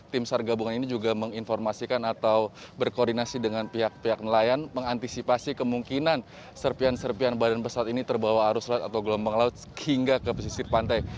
tim sar gabungan ini juga menginformasikan atau berkoordinasi dengan pihak pihak nelayan mengantisipasi kemungkinan serpian serpian badan pesawat ini terbawa arus laut atau gelombang laut hingga ke pesisir pantai